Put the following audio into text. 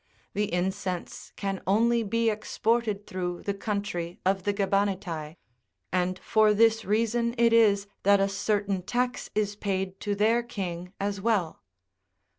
The incense can only be exported through the country of the Gebanitae, and for this reason it is that a certain tax is paid to their king as well.